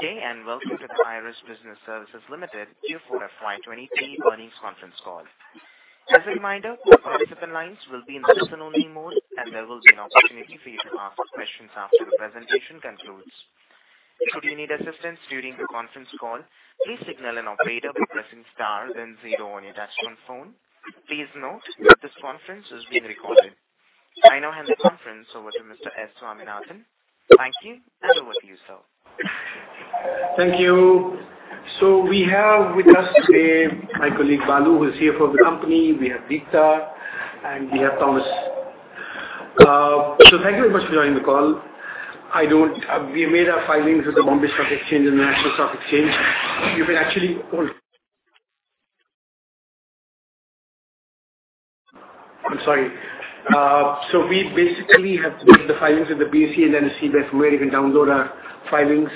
Gentlemen, good day. Welcome to the IRIS Business Services Limited Q4 FY 2023 earnings conference call. As a reminder, the participant lines will be in listen-only mode. There will be an opportunity for you to ask questions after the presentation concludes. Should you need assistance during the conference call, please signal an operator by pressing star, then zero on your touchtone phone. Please note that this conference is being recorded. I now hand the conference over to Mr. S. Swaminathan. Thank you. Over to you, sir. Thank you. We have with us today my colleague, Balu, who is CEO of the company, we have Deepta, and we have Thomas. Thank you very much for joining the call. We made our filings with the Bombay Stock Exchange and National Stock Exchange. We basically have made the filings with the BSE, you see that where you can download our filings,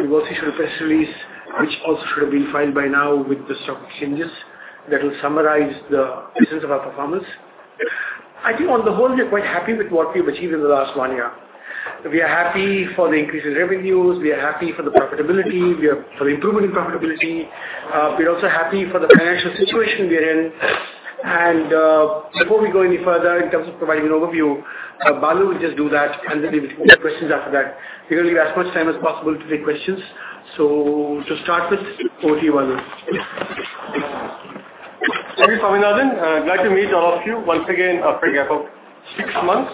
we also issue a press release, which also should have been filed by now with the stock exchanges. That will summarize the reasons of our performance. I think on the whole, we are quite happy with what we've achieved in the last one year. We are happy for the increase in revenues, we are happy for the profitability, we are for the improvement in profitability. We're also happy for the financial situation we are in. Before we go any further in terms of providing an overview, Balu will just do that, and then we can take questions after that. We're going to leave as much time as possible to take questions. To start with, over to you, Balu. Thank you, Swaminathan. Glad to meet all of you once again after, I hope, six months.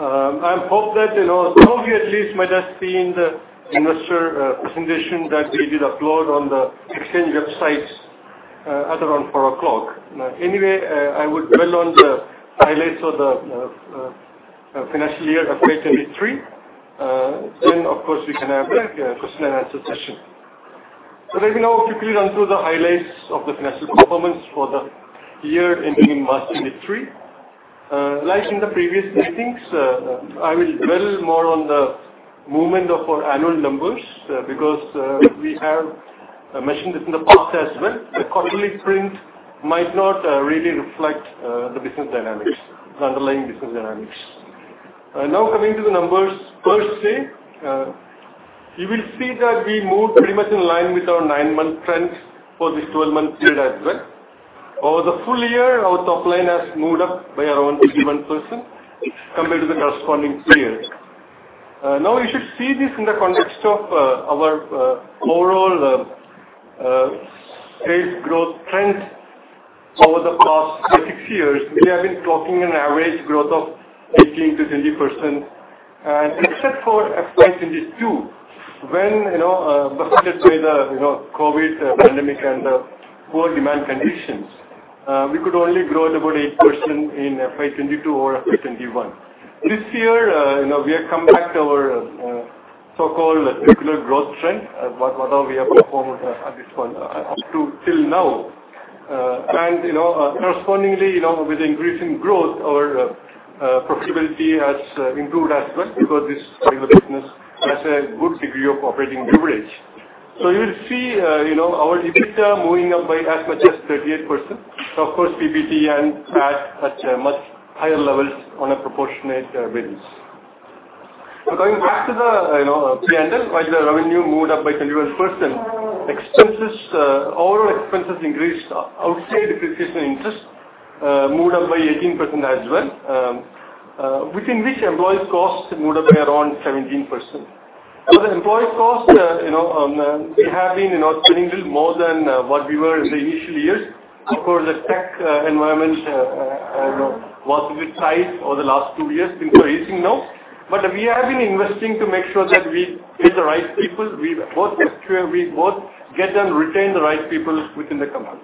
I hope that, you know, some of you at least might have seen the investor presentation that we did upload on the exchange websites at around 4:00 PM. I would dwell on the highlights of the financial year, FY 2023. Of course, we can have a question and answer session. Let me now quickly run through the highlights of the financial performance for the year ending March 2023. Like in the previous meetings, I will dwell more on the movement of our annual numbers, because we have mentioned this in the past as well. The quarterly sprint might not really reflect the business dynamics, the underlying business dynamics. Now, coming to the numbers per se, you will see that we moved pretty much in line with our nine-month trends for this 12-month period as well. Over the full year, our top line has moved up by around 11% compared to the corresponding period. Now, you should see this in the context of our overall trade growth trends over the past six years. We have been talking an average growth of 18%-20%. Except for FY 2022, when, you know, affected by the, you know, COVID pandemic and the poor demand conditions, we could only grow at about 8% in FY 2022 or FY 2021. This year, you know, we have come back to our so-called regular growth trend, what all we have performed at this point, up to till now. You know, correspondingly, you know, with increasing growth, our profitability has improved as well, because this kind of business has a good degree of operating leverage. You will see, you know, our EBITDA moving up by as much as 38%. Of course, PBT and at a much higher levels on a proportionate basis. Going back to the, you know, P&L, while the revenue moved up by 21%, expenses, overall expenses increased, outside depreciation interest, moved up by 18% as well, within which employees costs moved up by around 17%. The employees costs, you know, we have been, you know, spending a little more than what we were in the initial years. Of course, the tech environment, you know, was bit tight over the last two years since we're raising now. We have been investing to make sure that we get the right people. We both secure, we both get and retain the right people within the company.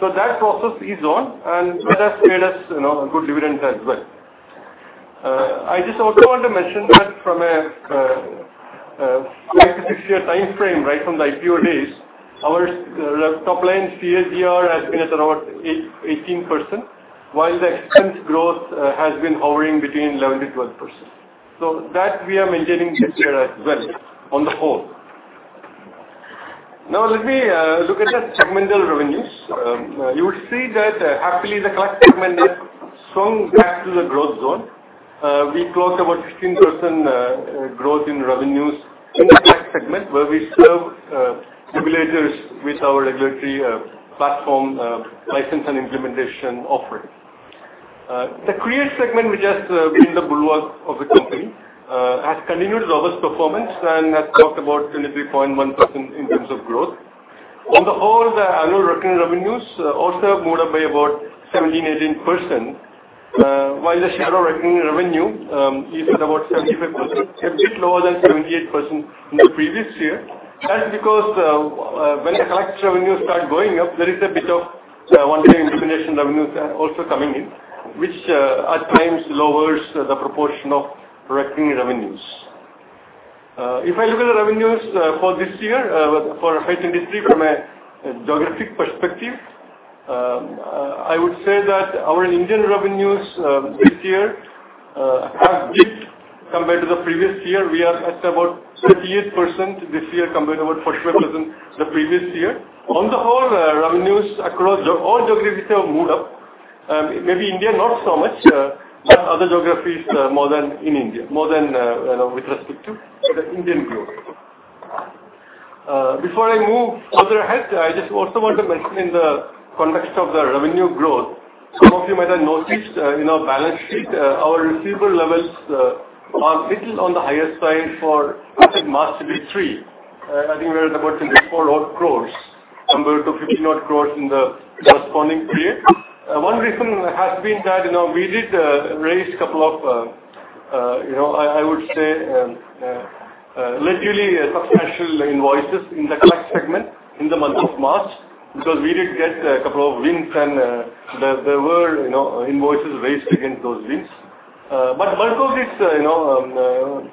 That process is on, and that has paid us, you know, a good dividend as well. I just also want to mention that from a five-six year time frame, right from the IPO days, our top line CAGR has been at around 18%, while the expense growth has been hovering between 11%-12%. That we are maintaining this year as well on the whole. Let me look at the segmental revenues. You will see that happily, the Collect segment is strong back to the growth zone. We closed about 15% growth in revenues in the Collect segment, where we serve regulators with our regulatory platform, license and implementation offering. The Create segment, which has been the bulwark of the company, has continued its robust performance and has talked about 23.1% in terms of growth. On the whole, the annual recurring revenues also moved up by about 17%-18%, while the share of recurring revenue is at about 75%, a bit lower than 78% in the previous year. That's because when the collect revenues start going up, there is a bit of one-time implementation revenues also coming in, which at times lowers the proportion of recurring revenues. If I look at the revenues for this year, for FY 2023, from a geographic perspective, I would say that our Indian revenues this year have dipped compared to the previous year. We are at about 38% this year, compared to about 45% the previous year. On the whole, revenues across all geographies have moved up. Maybe India, not so much, but other geographies, more than in India, more than, you know, with respect to the Indian growth. Before I move further ahead, I just also want to mention in the context of the revenue growth, some of you might have noticed in our balance sheet, our receivable levels are little on the higher side for, I think, March three. I think we are about 64 odd crores, compared to 50 odd crores in the corresponding period. One reason has been that, you know, we did raise a couple of, you know, I would say, literally substantial invoices in the Collect segment in the month of March, because we did get a couple of wins, and there were, you know, invoices raised against those wins. Most of it, you know,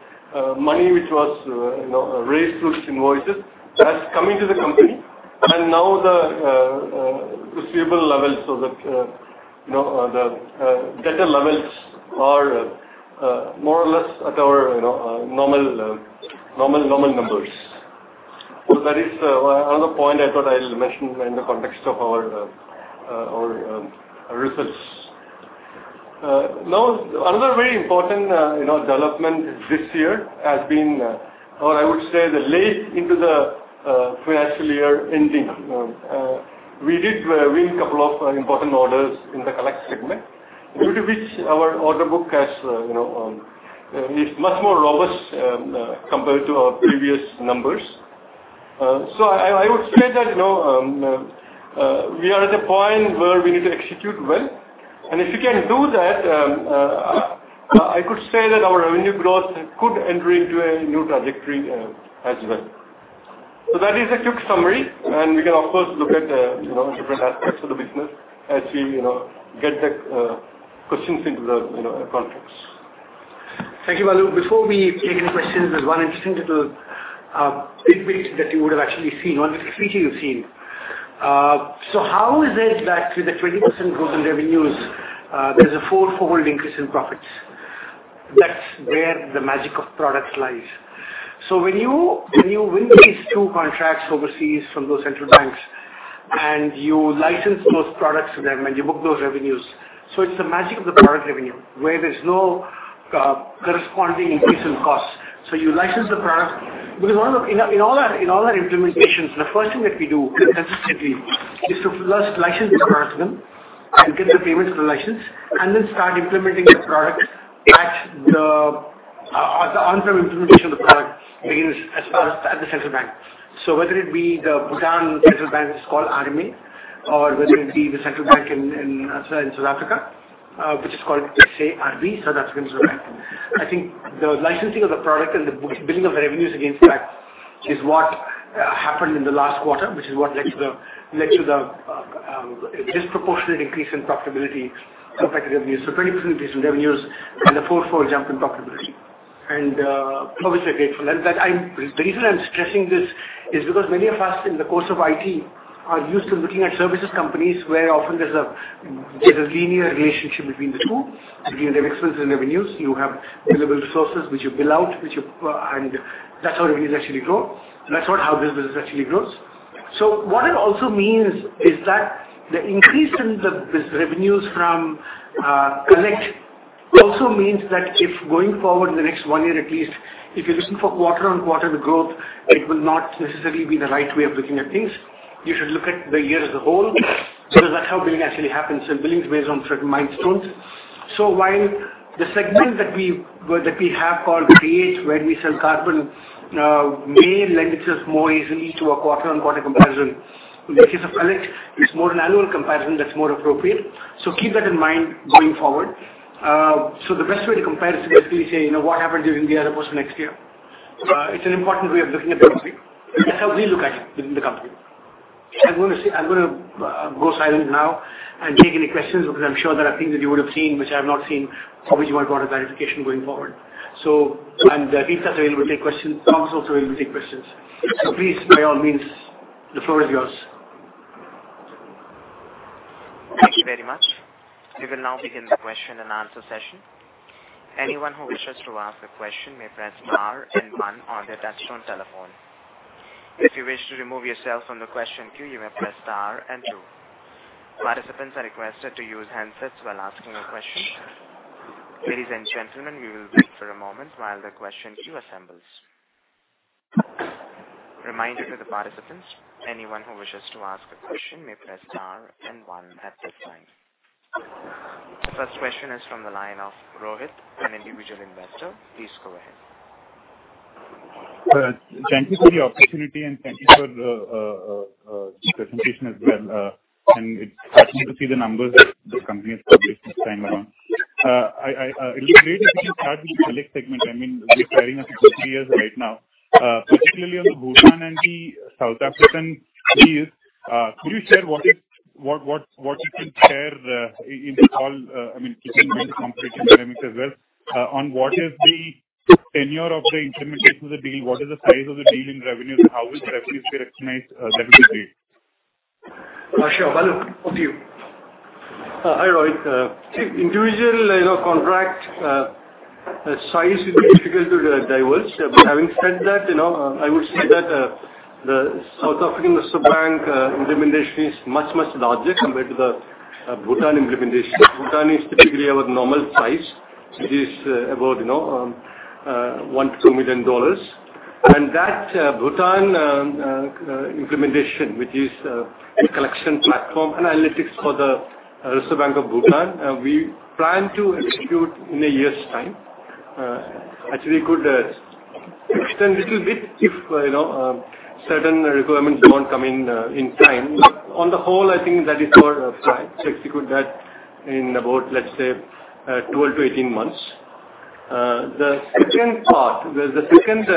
money which was, you know, raised through invoices, that's coming to the company. Now the receivable levels, so that, you know, the data levels are more or less at our, you know, normal numbers. That is another point I thought I'll mention in the context of our results. Now, another very important, you know, development this year has been, or I would say, the late into the financial year ending. We did win a couple of important orders in the Collect segment, due to which our order book has, you know, is much more robust compared to our previous numbers. I would say that, you know, we are at a point where we need to execute well, and if you can do that, I could say that our revenue growth could enter into a new trajectory as well. That is a quick summary, and we can, of course, look at, you know, different aspects of the business as we, you know, get the questions into the, you know, context. Thank you, Balu. Before we take any questions, there's one interesting little bit that you would have actually seen, or maybe you've seen. How is it that with the 20% growth in revenues, there's a fourfold increase in profits? That's where the magic of products lies. When you win these two contracts overseas from those central banks, and you license those products to them, and you book those revenues, it's the magic of the product revenue, where there's no corresponding increase in costs. You license the product, because in all our implementations, the first thing that we do consistently is to first license the product to them, and get the payments for the license, and then start implementing the product at the on-prem implementation of the product begins as far as at the central bank. Whether it be the Bhutan Central Bank, it's called RMA, or whether it be the Central Bank in South Africa, which is called, let's say, RB, South African Bank. I think the licensing of the product and the building of the revenues against that is what happened in the last quarter, which is what led to the disproportionate increase in profitability for revenue. 20% increase in revenues and a fourfold jump in profitability. Obviously, I'm grateful. The reason I'm stressing this is because many of us in the course of IT are used to looking at services companies, where often there's a linear relationship between the two, between the expenses and revenues. You have billable resources, which you bill out, which you. And that's how revenues actually grow, and that's not how this business actually grows. What it also means is that the increase in the revenues from Collect also means that if going forward in the next one year at least, if you're looking for quarter-on-quarter the growth, it will not necessarily be the right way of looking at things. You should look at the year as a whole, because that's how billing actually happens, and billing is based on certain milestones. While the segment that we have called BH, where we sell IRIS CARBON, may lend itself more easily to a quarter-on-quarter comparison. In the case of Collect, it's more an annual comparison that's more appropriate. Keep that in mind going forward. The best way to compare is to basically say, you know, what happens during the year versus next year? It's an important way of looking at it. That's how we look at it within the company. I'm gonna go silent now and take any questions, because I'm sure there are things that you would have seen, which I have not seen, obviously, you want a lot of clarification going forward. Lisa is available to take questions. Tom is also available to take questions. Please, by all means, the floor is yours. Thank you very much. We will now begin the question and answer session. Anyone who wishes to ask a question may press star one on their touchtone telephone. If you wish to remove yourself from the question queue, you may press star two. Participants are requested to use handsets while asking a question. Ladies and gentlemen, we will wait for a moment while the question queue assembles. Reminder to the participants, anyone who wishes to ask a question may press star one at this time. The first question is from the line of Rohit, an individual investor. Please go ahead. Thank you for the opportunity, and thank you for the presentation as well. It's exciting to see the numbers that the company has published this time around. I, it would be great if you can start with the Collect segment. I mean, we're carrying up to three years right now, particularly on the Bhutan and the South African deals. Could you share what is what you can share in all, I mean, keeping the competitive dynamics as well, on what is the tenure of the implementation of the deal? What is the size of the deal in revenues? How is revenues recognized? That would be great. Sure. Balu, over to you. Hi, Rohit. Individually, you know, contract. The size is difficult to divulge. Having said that, you know, I would say that the South African Reserve Bank implementation is much, much larger compared to the Bhutan implementation. Bhutan is typically our normal size. It is about, you know, $1 million-$2 million. That Bhutan implementation, which is a collection platform and analytics for the Reserve Bank of Bhutan, we plan to execute in a year's time. Actually, we could extend little bit if, you know, certain requirements don't come in in time. On the whole, I think that is our plan to execute that in about, let's say, 12months-18 months. The second part, the second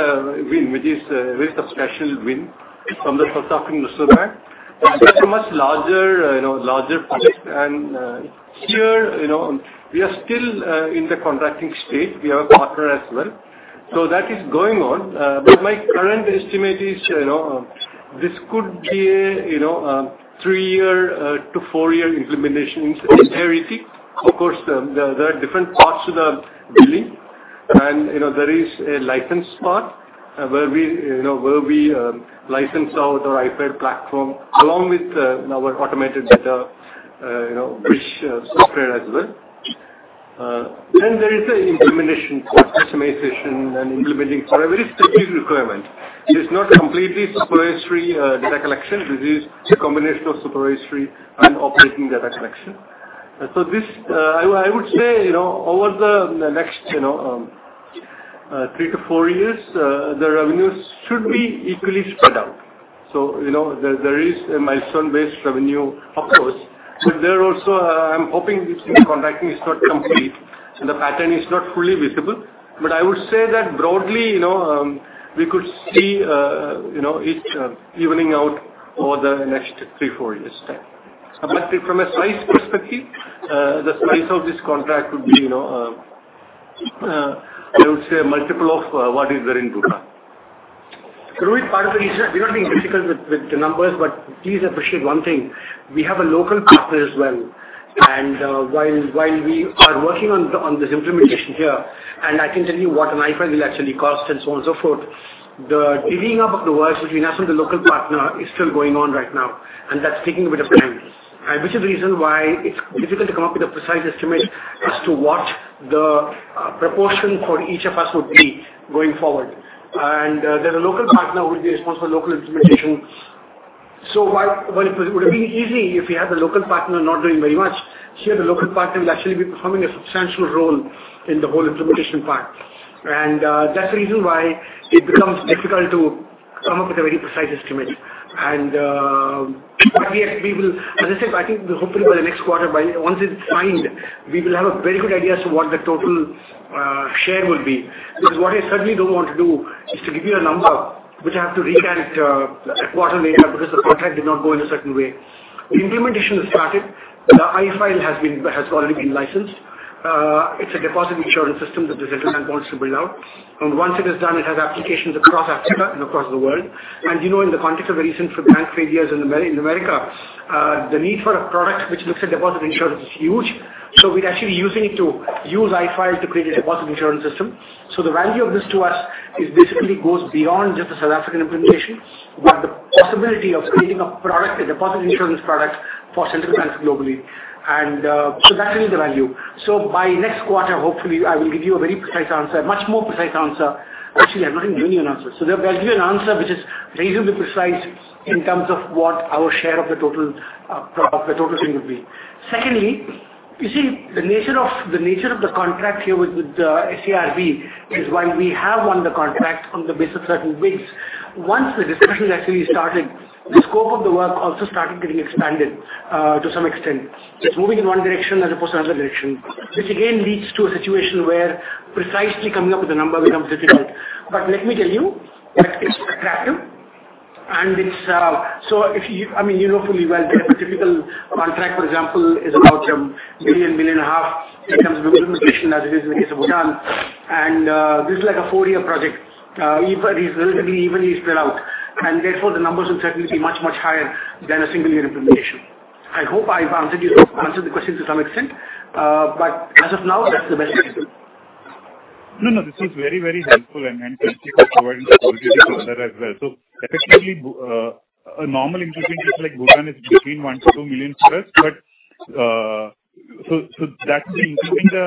win, which is a risk of special win from the South African Reserve Bank, is a much larger project. Here, we are still in the contracting stage. We have a partner as well. That is going on. My current estimate is, this could be a three-year to four-year implementation in its entirety. Of course, there are different parts to the building, there is a license part where we, where we license out our iFile platform, along with our automated data, which software as well. There is an implementation for customization and implementing for every specific requirement. It's not completely supervisory, data collection. This is a combination of supervisory and operating data collection. This I would say, you know, over the next, you know, three years-four years the revenues should be equally spread out. You know, there is a milestone-based revenue, of course, but there also, I'm hoping this contracting is not complete, so the pattern is not fully visible. I would say that broadly, you know, we could see, you know, it evening out over the next three years-four years' time. From a size perspective, the size of this contract would be, you know, I would say a multiple of what is there in Bhutan. Rohit, part of the reason we're not being difficult with the numbers. Please appreciate one thing, we have a local partner as well. While we are working on this implementation here, and I can tell you what an iFile will actually cost and so on and so forth, the divvying up of the work between us and the local partner is still going on right now, and that's taking a bit of time. Which is the reason why it's difficult to come up with a precise estimate as to what the proportion for each of us would be going forward. There's a local partner who will be responsible for local implementation. While it would have been easy if we had the local partner not doing very much, here, the local partner will actually be performing a substantial role in the whole implementation part. That's the reason why it becomes difficult to come up with a very precise estimate. But we have, we will. As I said, I think hopefully by the next quarter, by once it's signed, we will have a very good idea as to what the total share would be. Because what I certainly don't want to do is to give you a number, which I have to recalculate a quarter later, because the contract did not go in a certain way. The implementation is started. The iFile has already been licensed. It's a deposit insurance system that the central bank wants to build out, and once it is done, it has applications across Africa and across the world. You know, in the context of the recent bank failures in America, the need for a product which looks at deposit insurance is huge. We're actually using it to use iFile to create a deposit insurance system. The value of this to us is basically goes beyond just the South African implementation, but the possibility of creating a product, a deposit insurance product for central banks globally. So that is the value. By next quarter, hopefully, I will give you a very precise answer, a much more precise answer. Actually, I'm not giving you an answer. I'll give you an answer which is reasonably precise in terms of what our share of the total, the total thing would be. Secondly, you see, the nature of the contract here with SARB, is while we have won the contract on the basis of certain bids, once the discussion actually started, the scope of the work also started getting expanded to some extent. It's moving in one direction as opposed to another direction, which again, leads to a situation where precisely coming up with a number becomes difficult. Let me tell you, it's attractive and it's. If you- I mean, you know fully well, the typical contract, for example, is about INR a billion and a half in terms of implementation, as it is in the case of Bhutan. This is like a four-year project, evenly, relatively evenly spread out, and therefore, the numbers will certainly be much, much higher than a single-year implementation. I hope I've answered you, answered the question to some extent, but as of now, that's the best I can do. No, no, this is very, very helpful, and thank you for providing the overview to other as well. Effectively, a normal implementation like Bhutan is between 1 million-2 million plus, that's including the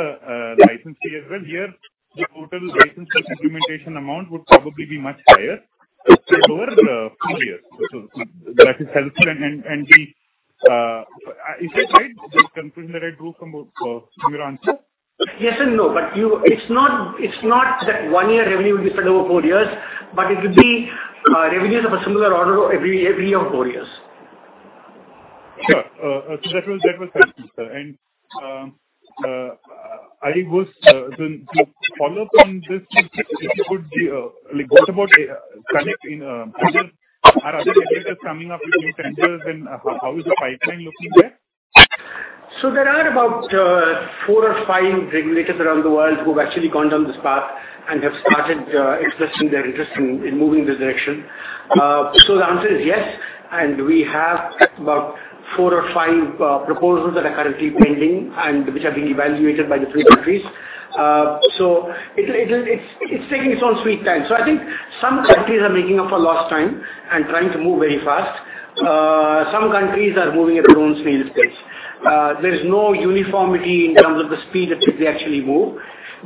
license fee as well. Here, the total license and implementation amount would probably be much higher over fou years. That is helpful, and we, is that right, the conclusion that I drew from your answer? Yes and no, but it's not that one year revenue will be spread over four years, but it would be revenues of a similar order every year of four years. Sure. So that was helpful, sir. I guess to follow up on this, if you could, like, what about connecting, are other regulators coming up with new centers, and how is the pipeline looking there? There are about four or five regulators around the world who've actually gone down this path and have started expressing their interest in moving this direction. The answer is yes, and we have four or five proposals that are currently pending and which are being evaluated by the three countries. It's taking its own sweet time. I think some countries are making up for lost time and trying to move very fast. Some countries are moving at their own sweet pace. There is no uniformity in terms of the speed at which they actually move.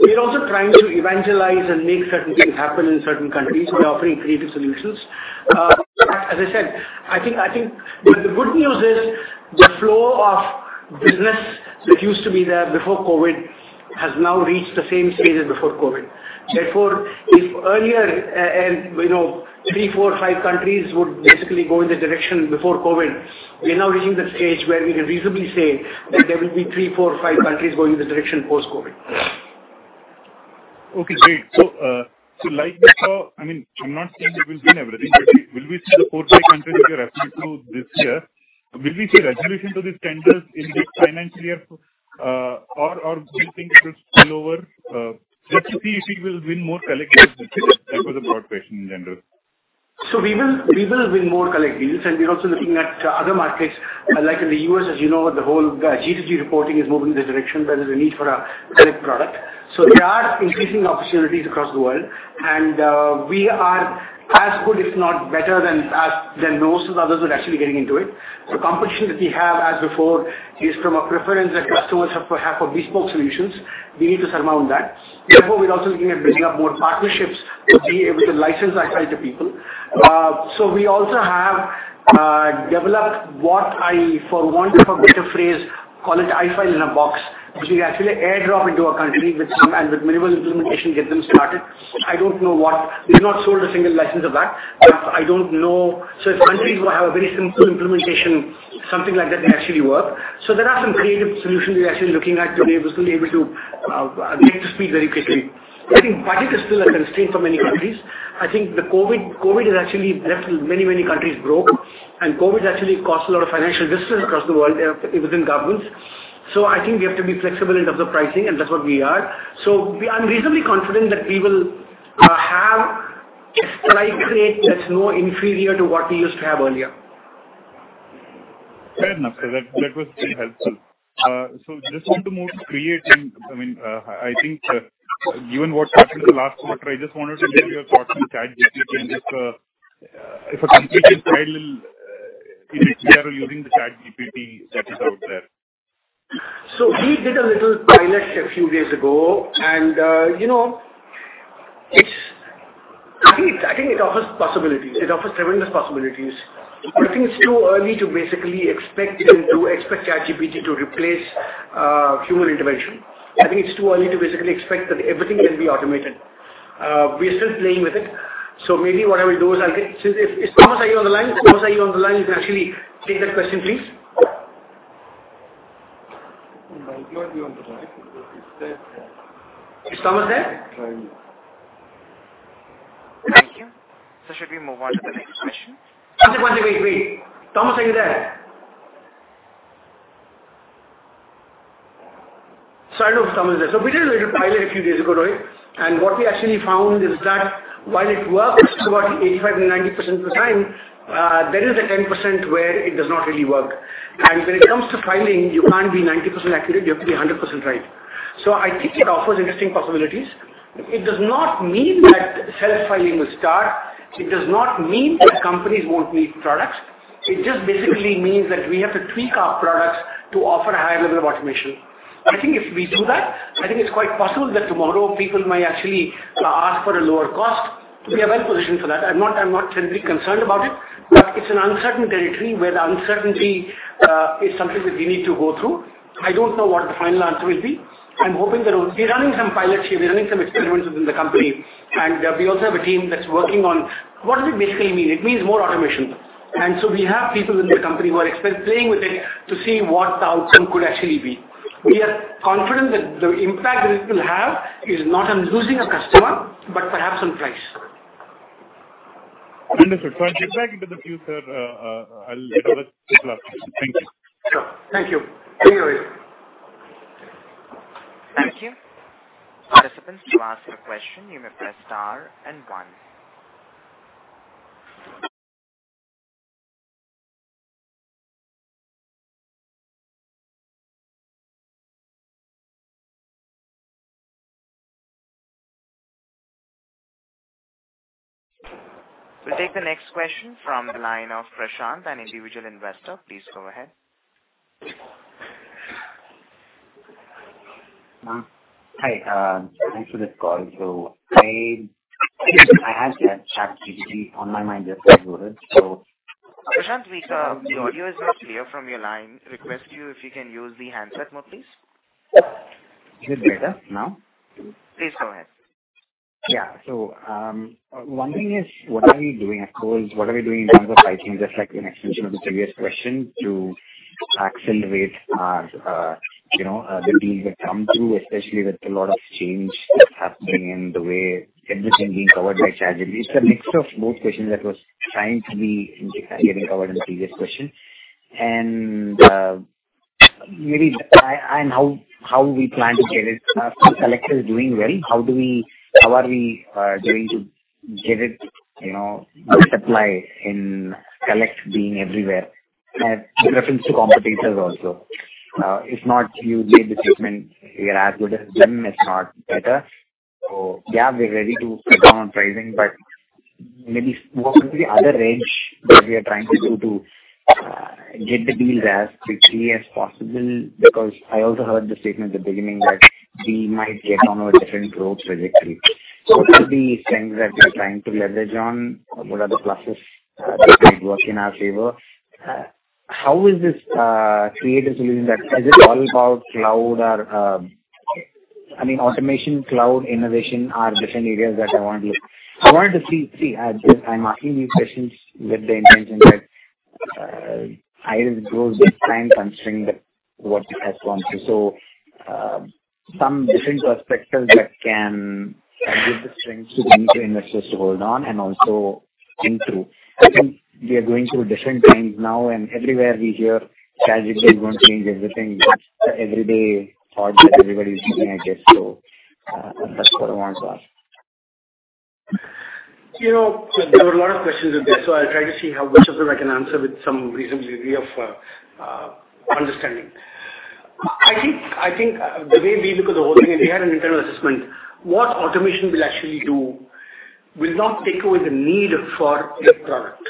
We are also trying to evangelize and make certain things happen in certain countries. We're offering creative solutions. As I said, I think the good news is, the flow of business which used to be there before COVID, has now reached the same stages before COVID. If earlier, and, you know, three, four, five countries would basically go in the direction before COVID, we are now reaching the stage where we can reasonably say that there will be three, four, five countries going in the direction post-COVID. Okay, great. Like before, I mean, I'm not saying that we'll win everything, but will we see the four, five countries you're referring to this year? Will we see resolution to these tenders in this financial year, or do you think it will spill over? Just to see if we will win more Collect deals. That was a broad question in general. We will win more Collect deals, and we're also looking at other markets, like in the U.S., as you know, the whole GHG reporting is moving in the direction, there is a need for a Collect product. There are increasing opportunities across the world, and we are as good, if not better than most of the others who are actually getting into it. Competition that we have as before, is from a preference that customers have for bespoke solutions. We need to surmount that. Therefore, we're also looking at building up more partnerships to be able to license iFile to people. We also have developed what I, for want of a better phrase, call it iFile in a box, which we actually airdrop into a country with some and with minimal implementation, get them started. I don't know. We've not sold a single license of that. I don't know. If countries will have a very simple implementation, something like that can actually work. There are some creative solutions we're actually looking at to be able to get to speed very quickly. I think budget is still a constraint for many countries. I think the COVID has actually left many, many countries broke, and COVID actually cost a lot of financial distress across the world within governments. I think we have to be flexible in terms of pricing, and that's what we are. I'm reasonably confident that we will have a price create that's no inferior to what we used to have earlier. Fair enough, sir. That was very helpful. just want to move to Create and, I mean, I think, given what happened in the last quarter, I just wanted to hear your thoughts on ChatGPT and just if a company can file in XBRL using the ChatGPT that is out there. We did a little pilot a few days ago, and, you know, I think it offers possibilities. It offers tremendous possibilities. I think it's too early to basically expect ChatGPT to replace human intervention. I think it's too early to basically expect that everything can be automated. We are still playing with it, so maybe what I will do is Thomas, are you on the line? You can actually take that question, please. He might be on the line. Is Thomas there? Try him. Thank you. Should we move on to the next question? One second, wait. Thomas, are you there? I know Thomas is there. We did a little pilot a few days ago, Roy, and what we actually found is that while it works about 85%-90% of the time, there is a 10% where it does not really work. When it comes to filing, you can't be 90% accurate, you have to be 100% right. I think it offers interesting possibilities. It does not mean that self-filing will start. It does not mean that companies won't need products. It just basically means that we have to tweak our products to offer a higher level of automation. I think if we do that, I think it's quite possible that tomorrow people might actually ask for a lower cost. We are well positioned for that. I'm not terribly concerned about it, but it's an uncertain territory where the uncertainty is something that we need to go through. I don't know what the final answer will be. I'm hoping that we're running some pilots here. We're running some experiments within the company, we also have a team that's working on what does it basically mean? It means more automation. We have people in the company who are playing with it to see what the outcome could actually be. We are confident that the impact that it will have is not on losing a customer, but perhaps on price. Understood. I'll get back into the future. I'll get all the details. Thank you. Sure. Thank you. Anyway. Thank you. Participants, to ask a question, you may press Star and one. We'll take the next question from the line of Prashant, an individual investor. Please go ahead. Hi, thanks for this call. I had that ChatGPT on my mind just as well. Prashant, we... The audio is not clear from your line. Request you if you can use the handset mode, please. Is it better now? Please go ahead. Yeah. One thing is, what are we doing at cores? What are we doing in terms of filing, just like an extension of the previous question, to accelerate our, you know, the deals that come through, especially with a lot of change that's happening in the way everything being covered by ChatGPT? It's a mix of both questions that was trying to be getting covered in the previous question. how we plan to get it? Collect is doing well. How are we going to get it, you know, supply and Collect being everywhere? With reference to competitors also. If not, you made the statement, we are as good as them, if not better. Yeah, we're ready to work on our pricing, but maybe more into the other range that we are trying to do to get the deal as quickly as possible. I also heard the statement at the beginning that we might get on a different growth trajectory. What are the strengths that we're trying to leverage on? What are the pluses that might work in our favor? How is this creative solution that is all about cloud or, I mean, automation, cloud, innovation, are different areas that I want to hear. I wanted to see, I'm asking you questions with the intention that either it grows with time, constrained what it has gone through. Some different perspectives that can give the strength to the investors to hold on and also think through. I think we are going through different times now. Everywhere we hear strategy is going to change everything. Every day, everybody is looking at it. That's what I want to ask. You know, there were a lot of questions in there, so I'll try to see how much of them I can answer with some reasonable degree of understanding. I think the way we look at the whole thing, and we had an internal assessment, what automation will actually do will not take away the need for your product.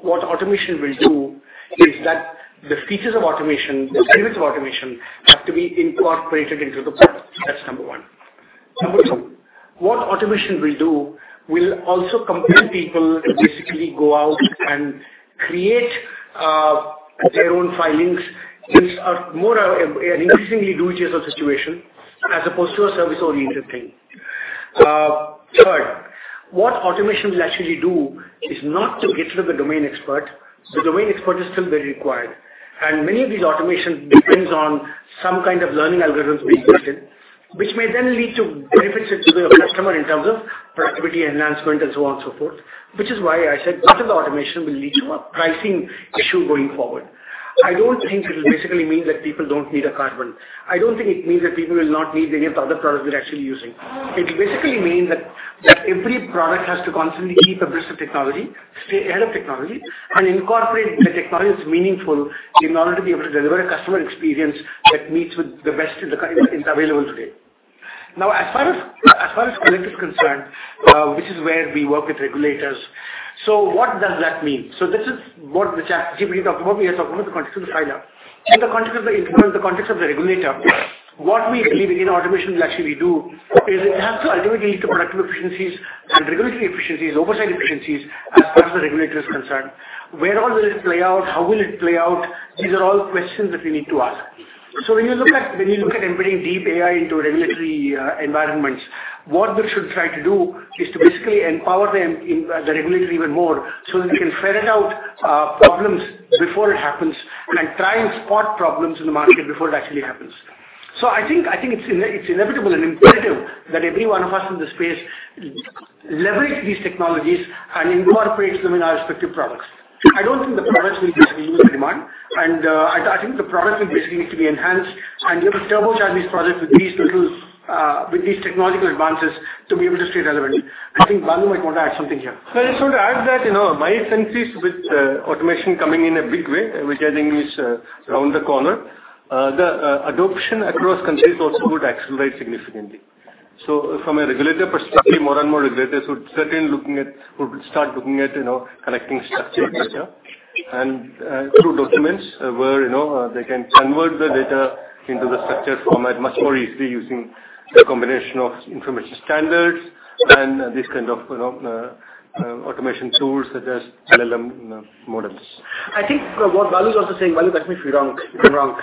What automation will do is that the features of automation, the service of automation, have to be incorporated into the product. That's number one. Number two, what automation will do will also compel people to basically go out and create their own filings, which are more of an increasingly do-it-yourself situation as opposed to a service-oriented thing. Third, what automation will actually do is not to get rid of the domain expert. The domain expert is still very required, and many of these automation depends on some kind of learning algorithms being built in, which may then lead to benefits to the customer in terms of productivity, enhancement, and so on, so forth, which is why I said part of the automation will lead to a pricing issue going forward. I don't think it will basically mean that people don't need a Carbon. I don't think it means that people will not need any of the other products we're actually using. It basically means that every product has to constantly keep abreast of technology, stay ahead of technology, and incorporate the technology that's meaningful in order to be able to deliver a customer experience that meets with the best in the current is available today. As far as Collect is concerned, which is where we work with regulators. What does that mean? This is what we're talking about. We are talking about the context of the filer. In the context of the implement, the context of the regulator, what we believe in automation will actually do is it has to ultimately lead to productive efficiencies and regulatory efficiencies, oversight efficiencies, as far as the regulator is concerned. Where all will it play out? How will it play out? These are all questions that we need to ask. When you look at embedding deep AI into regulatory environments, what we should try to do is to basically empower them in the regulatory even more, so we can ferret out problems before it happens and try and spot problems in the market before it actually happens. I think it's inevitable and imperative that every one of us in this space leverage these technologies and incorporate them in our respective products. I don't think the products will just be used in demand, and I think the products will basically need to be enhanced and be able to turbocharge these products with these tools, with these technological advances, to be able to stay relevant. I think Balu might want to add something here. I just want to add that, you know, my sense is with automation coming in a big way, which I think is around the corner, the adoption across countries also would accelerate significantly. From a regulator perspective, more and more regulators would start looking at, you know, collecting structured data and through documents where, you know, they can convert the data into the structured format much more easily using a combination of information standards and this kind of automation tools, such as LLM models. I think what Balu is also saying, Balu, correct me if I'm wrong.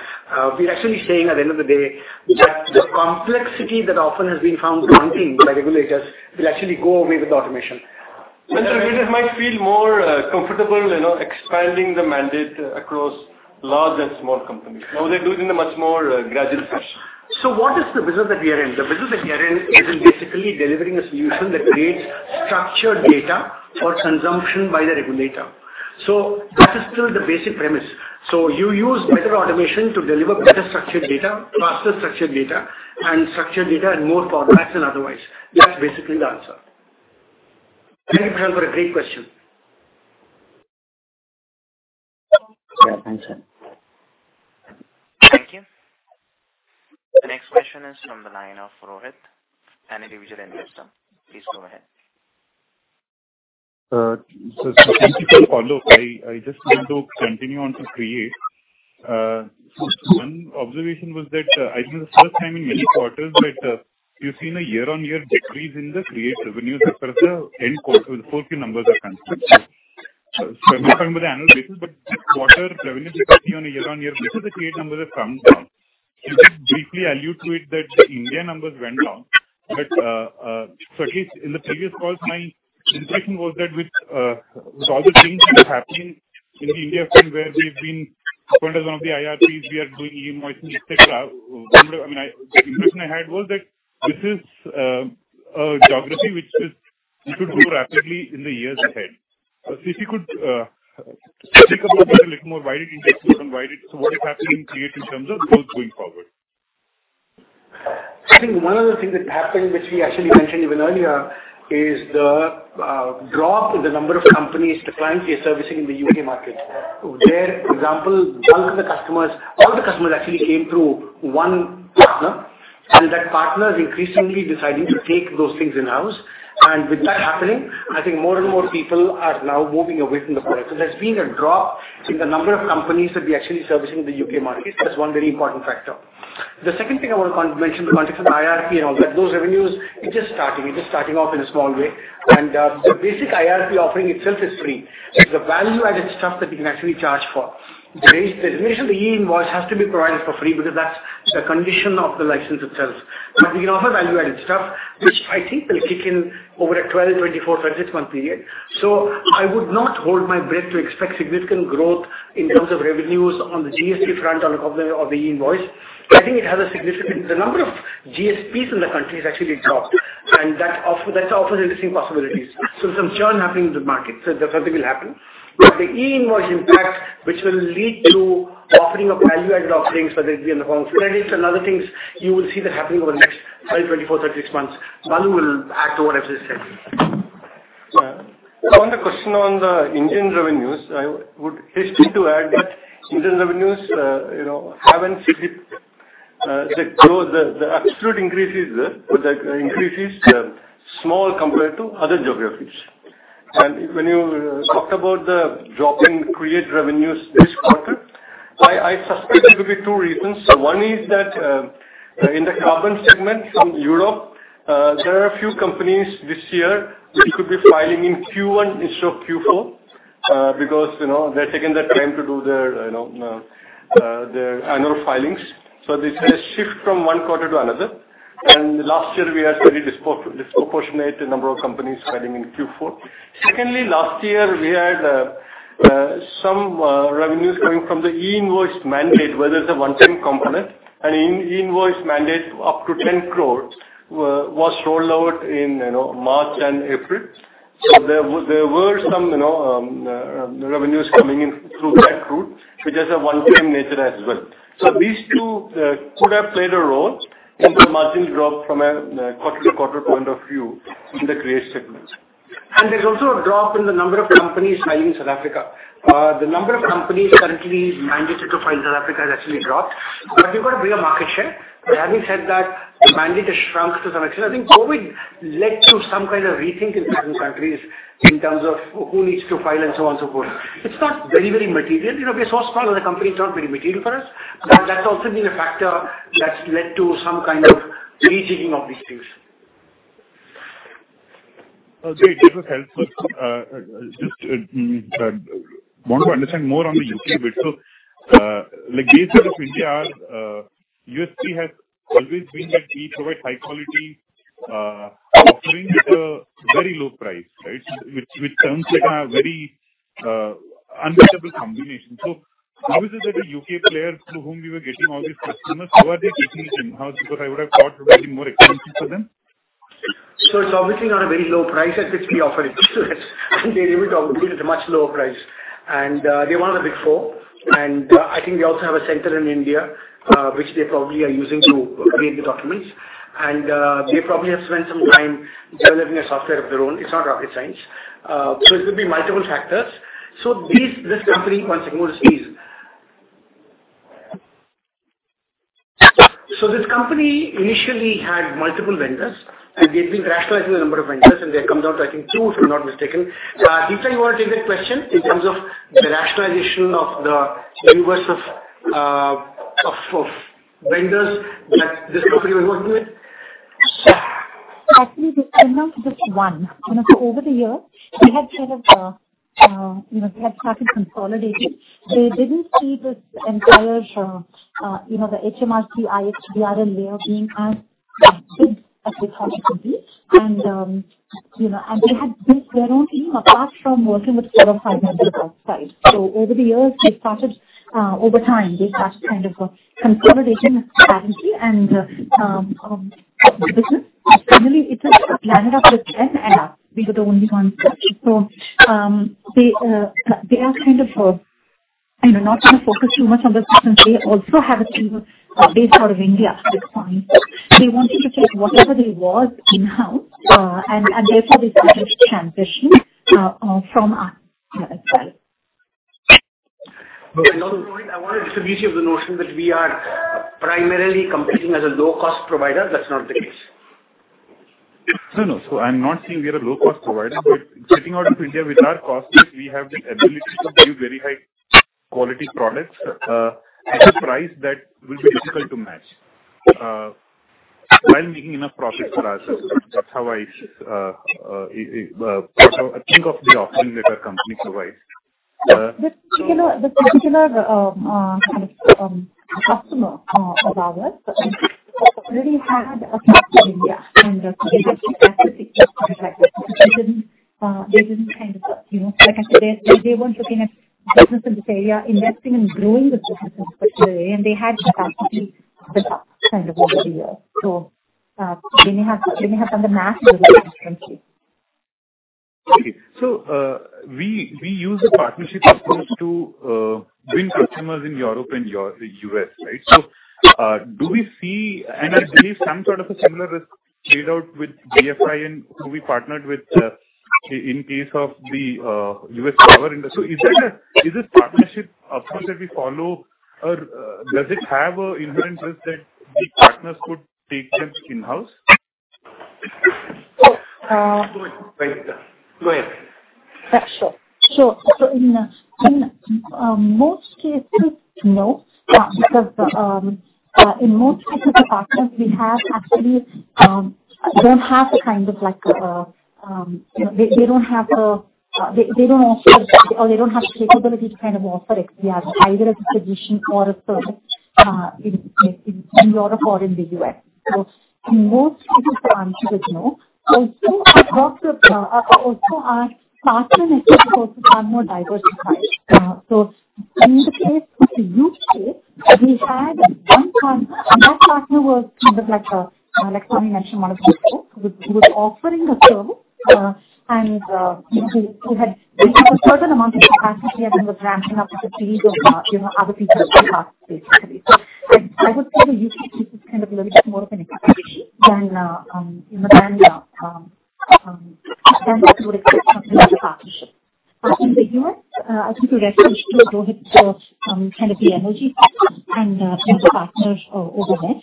We're actually saying at the end of the day, that the complexity that often has been found wanting by regulators will actually go away with automation. The regulators might feel more comfortable, you know, expanding the mandate across large and small companies. Now, they're doing in a much more gradual fashion. What is the business that we are in? The business that we are in is basically delivering a solution that creates structured data for consumption by the regulator. That is still the basic premise. You use better automation to deliver better structured data, faster structured data, and structured data in more formats than otherwise. That's basically the answer. Thank you for a great question. Yeah, thanks. Thank you. The next question is from the line of Rohit, an individual investor. Please go ahead. Thank you for the follow-up. I just want to continue on to Create. One observation was that I think the first time in many quarters that you've seen a year-on-year decrease in the Create revenues as per the end quarter, the 40 numbers are concerned. I'm talking about the annual basis, but this quarter, revenue decline on a year-on-year basis, the Create numbers have come down. You just briefly allude to it that the India numbers went down. At least in the previous calls, my impression was that with all the things that are happening in the India frame, where we've been focused on the IRPs, we are doing e-invoicing, et cetera. I mean, the impression I had was that this is a geography which will grow rapidly in the years ahead. If you could speak about that a little more, why it impacts us and what is happening in Create in terms of growth going forward? I think one of the things that happened, which we actually mentioned even earlier, is the drop in the number of companies the clients are servicing in the U.K. market. There, for example, bulk of the customers, all the customers actually came through one partner, and that partner is increasingly deciding to take those things in-house. With that happening, I think more and more people are now moving away from the product. There's been a drop in the number of companies that we're actually servicing in the U.K. market. That's one very important factor. The second thing I want to mention in the context of IRP and all that, those revenues, it is starting off in a small way, and the basic IRP offering itself is free. It's the value-added stuff that we can actually charge for. The generation, the e-invoice has to be provided for free because that's the condition of the license itself. We can offer value-added stuff, which I think will kick in over a 12, 24, 26 month period. I would not hold my breath to expect significant growth in terms of revenues on the GST front or the, or the e-invoice. The number of GSPs in the country has actually dropped, and that offers interesting possibilities. Some churn happening in the market, so that something will happen. The e-invoice impact, which will lead to offering of value-added offerings, whether it be in the form of credits and other things, you will see that happening over the next five months, 24 months, 36 months. Balu will add to what I've just said. Yeah. On the question on the Indian revenues, I would be hasty to add that Indian revenues, you know, haven't hit the growth. The absolute increase is, the increase is small compared to other geographies. When you talked about the drop in Create revenues this quarter, I suspect it could be two reasons. One is that, in the IRIS CARBON segment from Europe, there are a few companies this year which could be filing in Q1 instead of Q4, because, you know, they're taking the time to do their, you know, their annual filings. This has shift from one quarter to another. Last year we had very disproportionate number of companies filing in Q4. Secondly, last year we had some revenues coming from the e-invoice mandate, where there's a one-time component, and e-invoice mandate up to 10 crores was rolled out in, you know, March and April. There were some, you know, revenues coming in through that route, which is a one-time nature as well. These two could have played a role in the margin drop from a quarter-to-quarter point of view in the Create segment. There's also a drop in the number of companies filing in South Africa. The number of companies currently mandated to file in South Africa has actually dropped, but we've got a bigger market share. Having said that, the mandate has shrunk to some extent. I think COVID led to some kind of rethinking in different countries in terms of who needs to file and so on, so forth. It's not very, very material. You know, we are so small as a company, it's not very material for us, but that's also been a factor that's led to some kind of rethinking of these things. Okay, this was helpful. Just want to understand more on the U.K. bit. Like Tata of India, USP has always been that we provide high quality offering at a very low price, right? Which sounds like a very unbeatable combination. How is it that a U.K. player, through whom we were getting all these customers, how are they taking it in-house? Because I would have thought it would be more expensive for them. It's obviously not a very low price at which we offer it. They would offer it at a much lower price. They're one of the big four, and I think they also have a center in India, which they probably are using to read the documents. They probably have spent some time developing a software of their own. It's not rocket science. It could be multiple factors. This company, one second, please. This company initially had multiple vendors, and they've been rationalizing the number of vendors, and they've come down to, I think, two, if I'm not mistaken. Deepta, you want to take that question in terms of the rationalization of the universe of vendors that this company was working with? Actually, they came down to just one. Over the years, they had kind of, you know, they had started consolidating. They didn't see this entire, you know, the HMRC, IHT, DRN layer being as good as it possibly could be. You know, they had built their own team apart from working with several high vendors outside. Over time, they started kind of a consolidation strategy, this is really it just lined up with them, and we were the only ones. They are kind of, you know, not gonna focus too much on the business. They also have a team based out of India at this point. They wanted to take whatever they want in-house, and therefore they started to transition from us as well. I want to dismiss you of the notion that we are primarily competing as a low-cost provider. That's not the case. No, no. I'm not saying we are a low-cost provider, but getting out of India with our costs, we have the ability to build very high quality products, at a price that will be difficult to match, while making enough profit for us. That's how I think of the offerings that our company provides. This particular kind of customer of ours really had a presence in India. They had to actually take that contract. They didn't kind of, you know. Like I said, they weren't looking at business in this area, investing and growing the business in this particular area. They had the capacity to do that kind of over the years. Can you have on the math difference? Okay. we use a partnership approach to bring customers in Europe and the U.S., right? I believe some sort of a similar risk played out with BFI and who we partnered with in case of the U.S. power industry. Is this partnership approach that we follow or does it have an inherent risk that the partners could take them in-house? Uh- Go ahead, Deepta. Go ahead. Yeah, sure. Sure. In most cases, no. Because in most cases, the partners we have actually don't have the kind of like, you know, they don't have the... They, they don't offer or they don't have the capability to kind of offer XBRL, either as a solution or a service, in Europe or in the U.S.. In most cases, the answer is no. Also, our partner, also our partner network is also more diversified. In the case of the U.K., we had one partner, and that partner was kind of like Tony mentioned one of the partners, who was offering a service. We had a certain amount of capacity and we were ramping up to the need of, you know, other people basically. I would say the U.K. case is kind of a little bit more of an exception than, you know, than what would expect from another partnership. In the U.S., I think you referred to, Rohit, kind of the energy and some partners over there.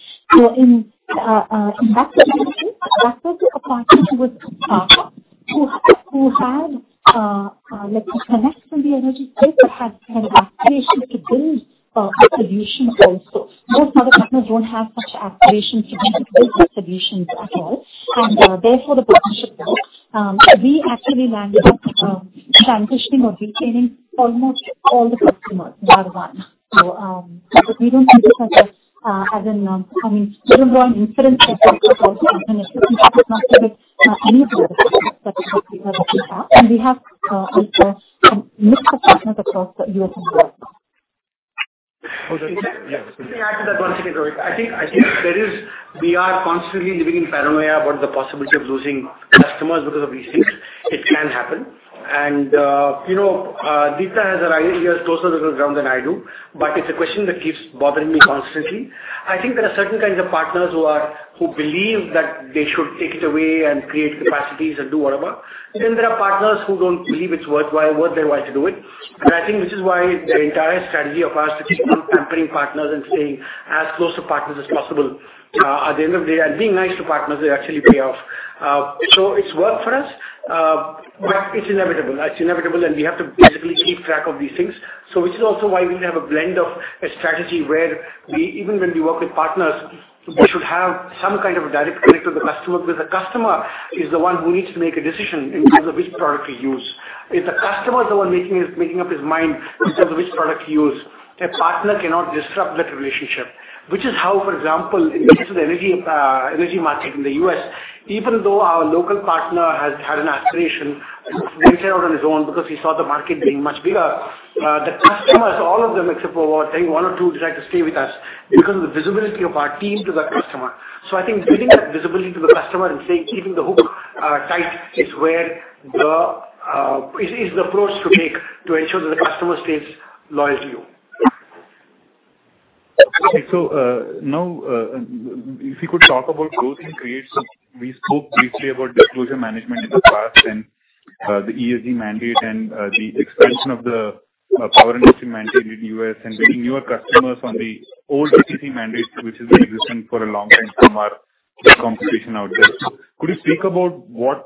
In that case, that was a partner who had, let's say, connects in the energy space, but had kind of aspiration to build solutions also. Most of our partners don't have such aspirations to build solutions at all, therefore, the partnership works. We actually landed up transitioning or retaining almost all the customers, bar one. But we don't think this as a, as in, I mean, we don't know an incident of that across any of the other partners that we have. We have also some mix of partners across the U.S. as well. Okay. Yeah. Can I add to that one second, Rohit? I think there is. We are constantly living in paranoia about the possibility of losing customers because of these things. It can happen. you know, Deepta has her ideas closer to the ground than I do, but it's a question that keeps bothering me constantly. I think there are certain kinds of partners who believe that they should take it away and create capacities and do whatever. There are partners who don't believe it's worthwhile, worth their while to do it. I think this is why the entire strategy of ours, which is on partnering partners and staying as close to partners as possible, at the end of the day, and being nice to partners, they actually pay off. It's worked for us, but it's inevitable. It's inevitable, we have to basically keep track of these things. Which is also why we have a blend of a strategy where we, even when we work with partners, we should have some kind of a direct connect to the customer, because the customer is the one who needs to make a decision in terms of which product to use. If the customer is the one making up his mind in terms of which product to use, a partner cannot disrupt that relationship. Which is how, for example, in case of the energy market in the U.S., even though our local partner has had an aspiration to venture out on his own because he saw the market being much bigger, the customers, all of them, except for, I think, one or two, decided to stay with us because of the visibility of our team to that customer. I think building that visibility to the customer and saying, keeping the hook tight is where the approach to take to ensure that the customer stays loyal to you. Okay. Now, if you could talk about growth and Create. We spoke briefly about Disclosure Management in the past and the ESG mandate and the expansion of the power industry mandate in the U.S. and bringing newer customers on the old PCC mandate, which has been existing for a long time from our competition out there. Could you speak about what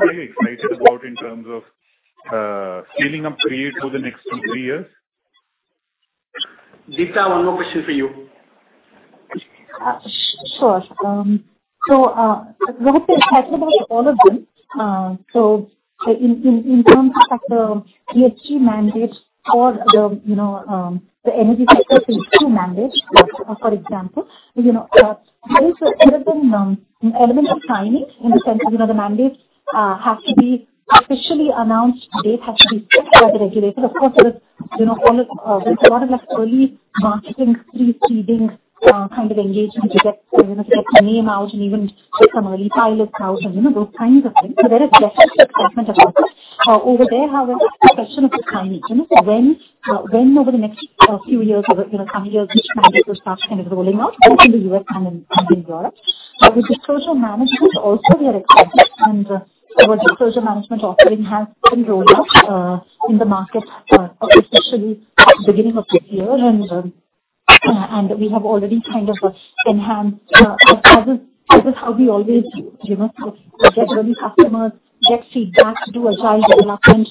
are you excited about in terms of scaling up Create over the next two, three years? Deepta, one more question for you. Sure. Rohit has talked about all of them. In terms of the FERC mandate or the, you know, the energy sector FERC mandate, for example, you know, there is an element of timing, in the sense, you know, the mandate has to be officially announced. Date has to be set by the regulator. Of course, there's a lot of early marketing, pre-seeding, kind of engagement to get, you know, get your name out and even get some early pilots out and, you know, those kinds of things. There is definitely excitement about this. Over there, however, a question of the timing, you know, when over the next few years or, you know, some years, which mandate will start kind of rolling out both in the U.S. and in Europe. With Disclosure Management also we are excited, and our Disclosure Management offering has been rolled out in the market, especially at the beginning of this year. We have already kind of enhanced, this is how we always, you know, get early customers, get feedback, do agile development,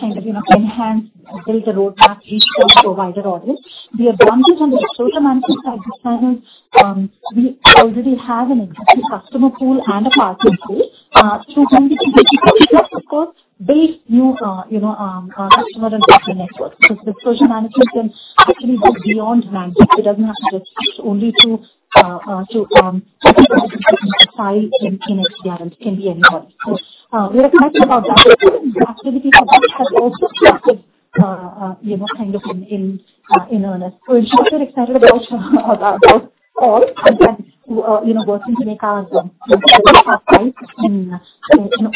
kind of, you know, enhance, build a roadmap, each service provider orders. The advantage on the Disclosure Management side, this time, we already have an existing customer pool and a partner pool, we can basically, of course, build new, you know, customer and partner networks. Disclosure Management can actually go beyond mandates. It doesn't have to restrict only to file in XBRL, it can be anyone. We are excited about that. Actually, we have also, you know, kind of in earnest. We're super excited about all, you know, working to make our lives in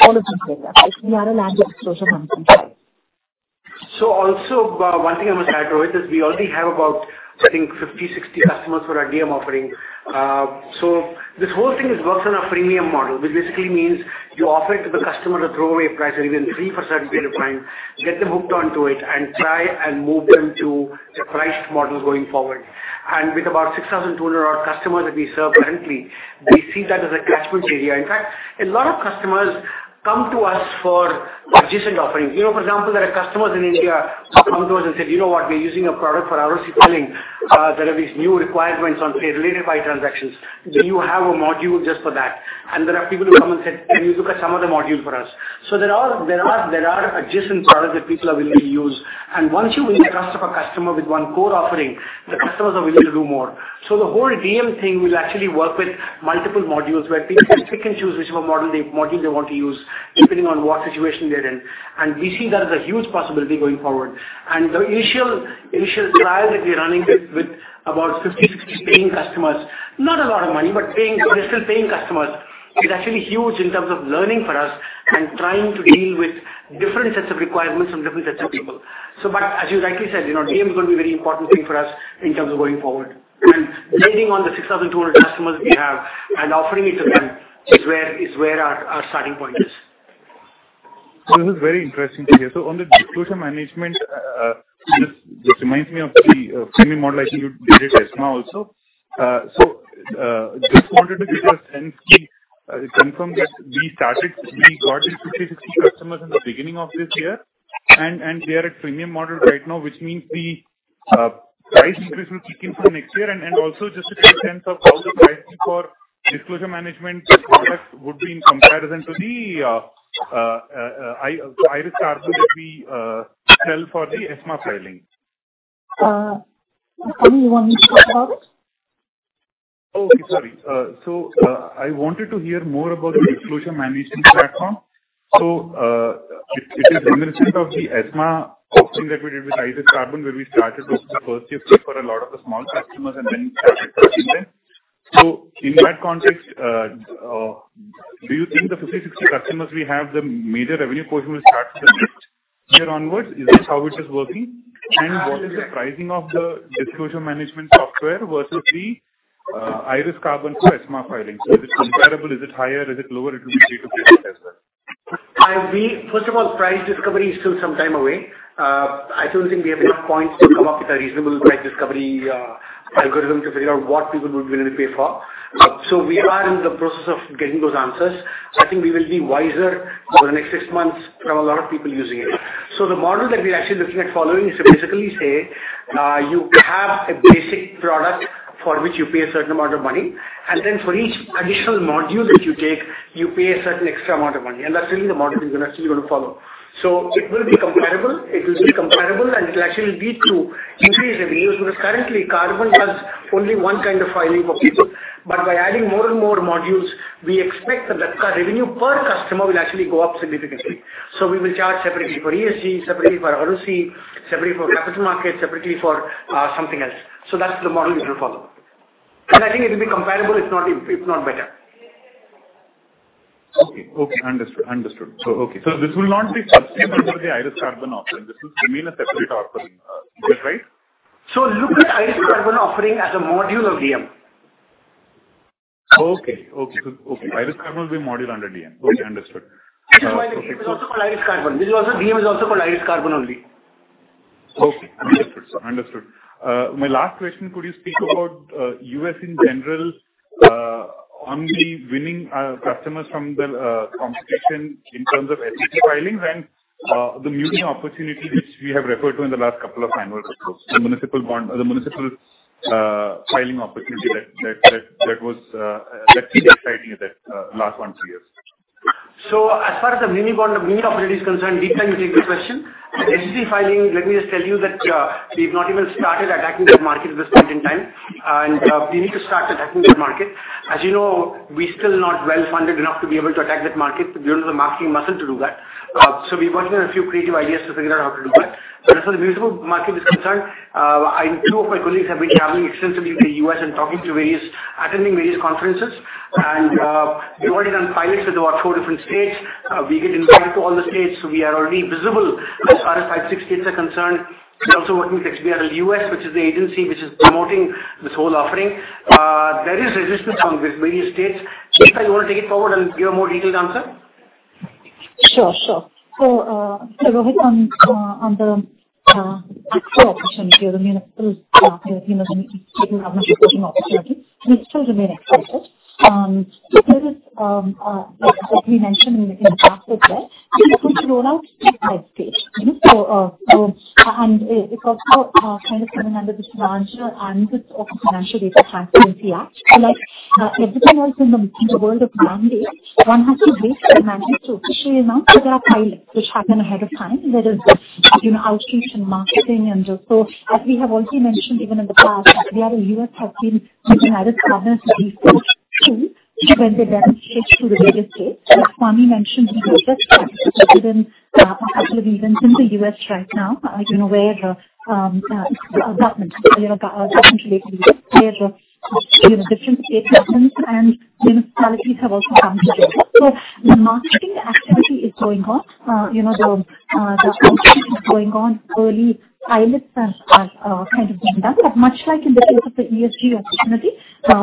all of these data. We are a large disclosure company. One thing I must add to it is we already have about, I think, 50, 60 customers for our DM offering. This whole thing works on a freemium model, which basically means you offer it to the customer at a throwaway price or even free for a certain period of time, get them hooked onto it, and try and move them to a priced model going forward. With about 6,200 customers that we serve monthly, we see that as a catchment area. A lot of customers come to us for adjacent offerings. You know, for example, there are customers in India who come to us and said: "You know what? We're using a product for RMC filing. There are these new requirements on pay-related file transactions. Do you have a module just for that? There are people who come and said, "Can you look at some of the modules for us?" There are adjacent products that people are willing to use, and once you win the trust of a customer with one core offering, the customers are willing to do more. The whole DM thing will actually work with multiple modules, where people can pick and choose which module they want to use, depending on what situation they're in. We see that as a huge possibility going forward. The initial trial that we're running with about 50, 60 paying customers, not a lot of money, but paying, they're still paying customers, is actually huge in terms of learning for us and trying to deal with different sets of requirements from different sets of people. As you rightly said, you know, DM is going to be a very important thing for us in terms of going forward. Leaning on the 6,200 customers we have and offering it to them is where, is where our starting point is. This is very interesting to hear. On the Disclosure Management, this reminds me of the semi model, I think you did it ESMA also. Just wanted to get a sense to confirm that we got the 50, 60 customers in the beginning of this year, they are at freemium model right now, which means the price increase will kick in from next year. Also just to get a sense of how the pricing for Disclosure Management product would be in comparison to the IRIS CARBON that we sell for the ESMA filing. Sunny, you want me to talk about it? Okay, sorry. I wanted to hear more about the Disclosure Management platform. It is in the sense of the ESMA offering that we did with IRIS CARBON, where we started with the first gift for a lot of the small customers and then started purchasing them. In that context, do you think the 50, 60 customers we have, the major revenue portion will start from next year onwards? Is this how it is working? What is the pricing of the Disclosure Management software versus the IRIS CARBON for ESMA filing? Is it comparable, is it higher, is it lower? It will be great to get it as well. First of all, price discovery is still some time away. I don't think we have enough points to come up with a reasonable price discovery, algorithm, to figure out what people would be willing to pay for. We are in the process of getting those answers. I think we will be wiser over the next six months from a lot of people using it. The model that we're actually looking at following is to basically say, you have a basic product for which you pay a certain amount of money, and then for each additional module that you take, you pay a certain extra amount of money, and that's really the model we're gonna still follow. It will be comparable. It will be comparable. It'll actually lead to increased revenues, because currently, IRIS CARBON does only one kind of filing for people. By adding more and more modules, we expect that the revenue per customer will actually go up significantly. We will charge separately for ESG, separately for RUC, separately for capital markets, separately for something else. That's the model we will follow. I think it will be comparable, if not, if not better. Okay. Okay, understood. Understood. Okay, so this will not be sustainable for the IRIS CARBON offering. This will remain a separate offering, is that right? look at IRIS CARBON offering as a module of DM. Okay. Okay, good. Okay, IRIS CARBON will be a module under DM. Okay, understood. This is why it is also called IRIS CARBON. DM is also called IRIS CARBON only. Okay, understood. Understood. My last question, could you speak about U.S. in general, on the winning customers from the competition in terms of ESG filings and the muni opportunity which we have referred to in the last couple of annual reports, the municipal filing opportunity that was exciting that last one year-two years? As far as the mini bond, mini opportunity is concerned, Deepta, you take the question. ESG filing, let me just tell you that, we've not even started attacking that market at this point in time, and, we need to start attacking that market. As you know, we're still not well-funded enough to be able to attack that market. We don't have the muscle to do that. We're working on a few creative ideas to figure out how to do that. As far as the municipal market is concerned, Two of my colleagues have been traveling extensively to the U.S. and talking to attending various conferences, and, we've already done pilots with about four different states. We get invited to all the states, so we are already visible as far as five, six states are concerned. We're also working with XBRL US, which is the agency which is promoting this whole offering. There is resistance from with various states. Deepta, you want to take it forward and give a more detailed answer? Sure, sure. Rohit, on the actual opportunity of the municipal, you know, state and municipal opportunity, we still remain excited. There is, like we mentioned in the past as well, this will roll out state by state. It's also kind of coming under this larger ambit of the Financial Data Transparency Act. Like everyone else in the, in the world of mandate, one has to basically manage to share amount with our clients, which happen ahead of time, whether it's, you know, outreach and marketing. As we have already mentioned, even in the past, that we have a U.S. team which IRIS CARBON is equal to- When they then switch to the latest date, as Swamy mentioned, we have just had events, actually events in the U.S. right now, you know, where, government, you know, government-related, we have, you know, different state governments and municipalities have also come together. The marketing activity is going on. You know, the competition is going on. Early pilots are kind of being done, but much like in the case of the ESG opportunity,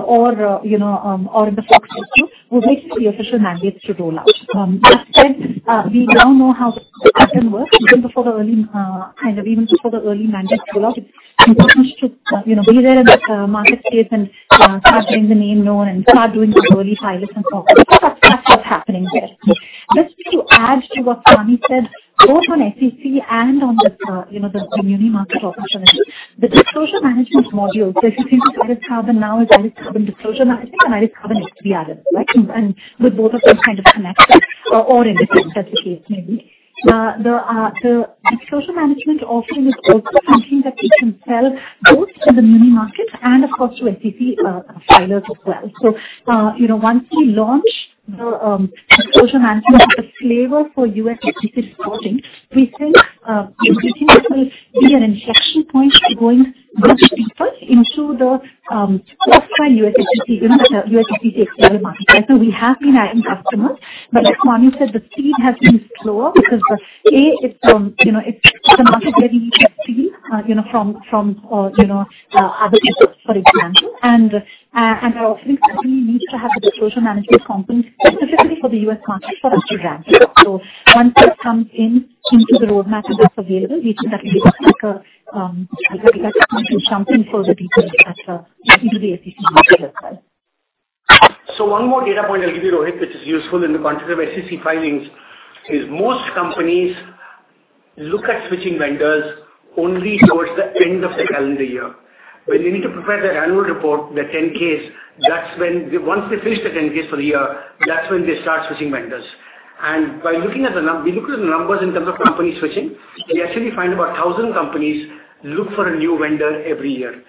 or, you know, or in the Fox issue, we're waiting for the official mandate to roll out. As said, we now know how the system works even before the early, kind of even before the early mandate roll out. It's important to, you know, be there in the market space and start getting the name known and start doing the early pilots and so on. That's what's happening there. Just to add to what Swamy said, both on SEC and on the, you know, the muni market opportunity, the Disclosure Management module. If you think of IRIS CARBON now as IRIS CARBON Disclosure Management and IRIS CARBON XD added, right? With both of them kind of connected or independent, as the case may be. The Disclosure Management offering is also something that we can sell both to the muni market and, of course, to SEC filers as well. You know, once we launch the Disclosure Management, the flavor for U.S. SEC reporting, we think, we think this will be an inflection point going deeper into the first-time US SEC, you know, the US SEC external market, right? We have been adding customers, but like Swamy said, the speed has been slower because the, it's, you know, it's a market that you need to see, you know, from other vendors, for example. Our offering certainly needs to have the Disclosure Management component specifically for the US market, for us to ramp it up. Once that comes in into the roadmap and that's available, we think that will be like a, like a point of jumping for the deeper into the SEC market as well. One more data point I'll give you, Rohit, which is useful in the context of SEC filings, is most companies look at switching vendors only towards the end of the calendar year. When they need to prepare their annual report, the 10-K's, that's when Once they finish the 10-K's for the year, that's when they start switching vendors. By looking at the numbers in terms of companies switching, we actually find about 1,000 companies look for a new vendor every year.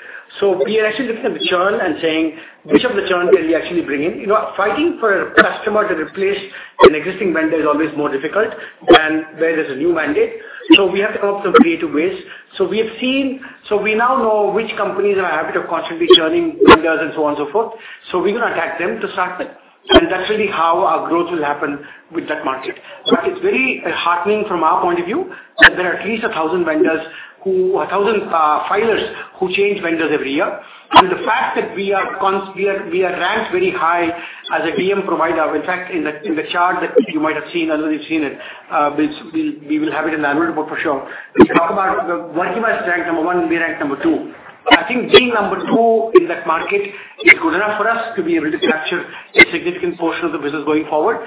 We are actually looking at the churn and saying, "Which of the churn can we actually bring in?" You know, fighting for a customer to replace an existing vendor is always more difficult than where there's a new mandate. We have to come up with some creative ways. We now know which companies are in the habit of constantly churning vendors and so on and so forth. We're gonna attack them to start with, and that's really how our growth will happen with that market. It's very heartening from our point of view, that there are at least 1,000 filers who change vendors every year. The fact that we are ranked very high as a VM provider. In fact, in the chart that you might have seen, although you've seen it, we will have it in the annual report for sure. We talk about the Workiva is ranked number one, and we rank number two. I think being number two in that market is good enough for us to be able to capture a significant portion of the business going forward.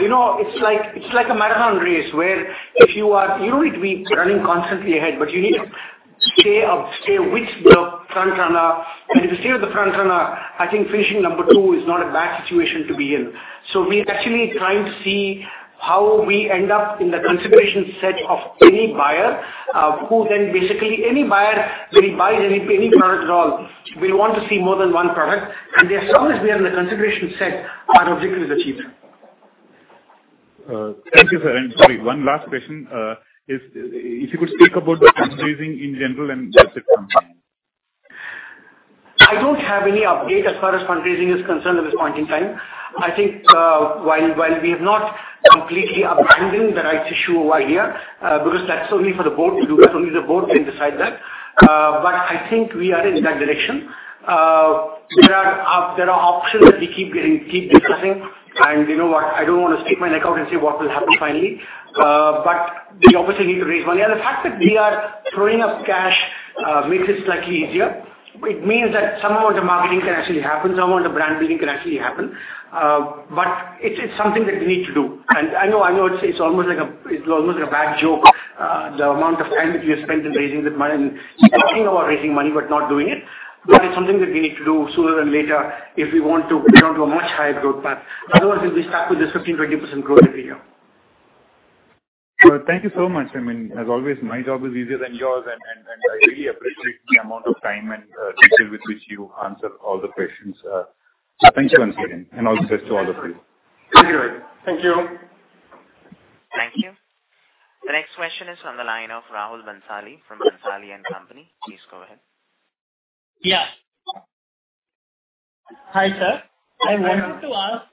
You know, it's like, it's like a marathon race, where you need to be running constantly ahead, but you need to stay upstate with the front runner. If you stay with the front runner, I think finishing number two is not a bad situation to be in. We're actually trying to see how we end up in the consideration set of any buyer, who then basically any buyer, when he buys any product at all, will want to see more than one product. As long as we are in the consideration set, our objective is achieved. Thank you, sir. Sorry, one last question. If you could speak about the fundraising in general and where it comes in? I don't have any update as far as fundraising is concerned at this point in time. I think, while we have not completely abandoning the right to issue over idea, because that's only for the board to do, that's only the board can decide that. But I think we are in that direction. There are, there are options that we keep getting, keep discussing. You know what? I don't want to stick my neck out and say what will happen finally, but we obviously need to raise money. The fact that we are throwing up cash, makes it slightly easier. It means that some amount of marketing can actually happen, some amount of brand building can actually happen. But it's something that we need to do. I know it's almost like a bad joke, the amount of time that we have spent in raising that money and talking about raising money but not doing it. It's something that we need to do sooner than later if we want to get onto a much higher growth path. Otherwise, we'll be stuck with this 15%-20% growth every year. Well, thank you so much. I mean, as always, my job is easier than yours, I really appreciate the amount of time and detail with which you answered all the questions. Thank you once again, and all the best to all of you. Thank you, Rohit. Thank you. Thank you. The next question is on the line of Rahul Bhansali from Bhansali and Company. Please go ahead. Yeah. Hi, sir. I wanted to ask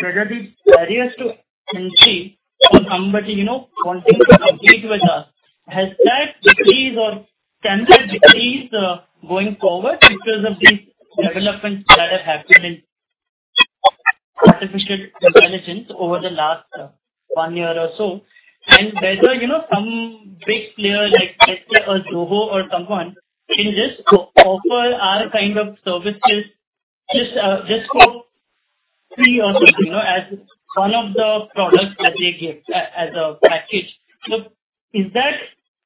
whether the barriers to entry for somebody, you know, wanting to compete with us, has that decreased or can that decrease going forward because of the developments that have happened in artificial intelligence over the last one year or so? Whether, you know, some big player, like, let's say, a Zoho or someone, can just offer our kind of services just for free or something, you know, as one of the products that they give as a package. Is that